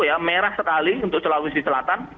jadi ada satu merah sekali untuk celahusi selatan